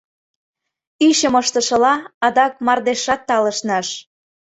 Ӱчым ыштышыла, адак мардежшат талышныш.